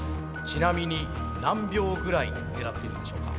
ちなみに何秒ぐらい狙っているんでしょうか？